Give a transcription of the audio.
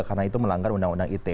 karena itu melanggar undang undang it